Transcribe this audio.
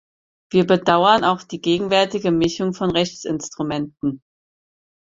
Wir bedauern auch die gegenwärtige Mischung von Rechtsinstrumenten.